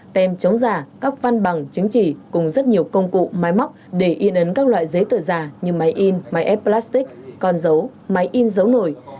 tem chống giả các văn bằng chứng chỉ cùng rất nhiều công cụ máy móc để in ấn các loại giấy tờ giả như máy in máy ép plastic con dấu máy in dấu nổi